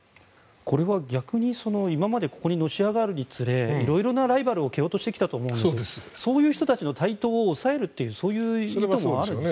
逆に今までここにのし上がるにつれいろんなライバルを蹴落としてきたと思うんですがそういった人たちの台頭を抑えるという意図もありますかね。